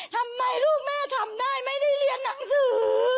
ทำไมลูกแม่ทำได้ไม่ได้เรียนหนังสือ